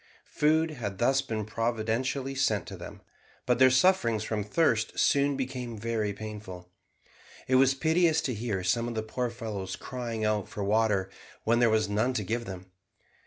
Food had thus been providentially sent them, but their sufferings from thirst soon became very painful. It was piteous to hear some of the poor fellows crying out for water when there was none to give them.